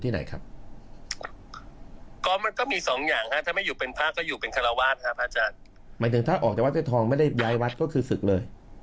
หมายถึงถ้าออกจากวัดเต้นทองไม่ได้ย้ายวัดก็คือศึกเลย